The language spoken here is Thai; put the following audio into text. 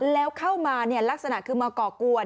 แล้วเข้ามาลักษณะคือมาก่อกวน